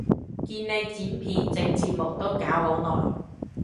見你剪片整字幕都搞好耐